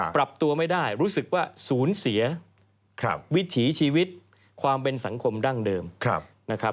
ปรับตัวไม่ได้รู้สึกว่าศูนย์เสียวิถีชีวิตความเป็นสังคมดั้งเดิมนะครับ